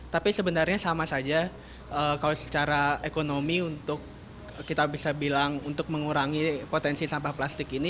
tapi sebenarnya sama saja kalau secara ekonomi untuk kita bisa bilang untuk mengurangi potensi sampah plastik ini